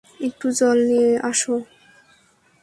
একটু জল নিয়ে আসো!